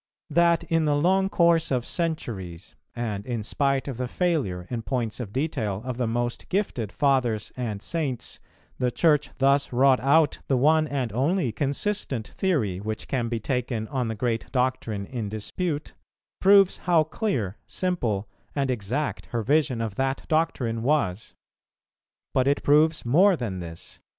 That in the long course of centuries, and in spite of the failure, in points of detail, of the most gifted Fathers and Saints, the Church thus wrought out the one and only consistent theory which can be taken on the great doctrine in dispute, proves how clear, simple, and exact her vision of that doctrine was. But it proves more than this.